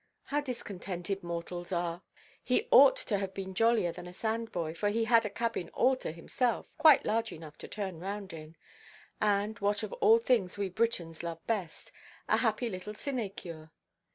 How discontented mortals are! He ought to have been jollier than a sandboy, for he had a cabin all to himself (quite large enough to turn round in), and, what of all things we Britons love best, a happy little sinecure.